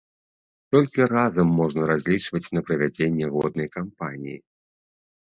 Толькі разам можна разлічваць на правядзенне годнай кампаніі.